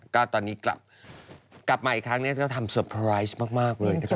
ก็ตอนนี้กลับมาอีกครั้งเนี่ยเราทำเตอร์ไพรส์มากเลยนะคะ